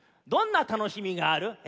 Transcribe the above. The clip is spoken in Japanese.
どんなたのしみがある？」。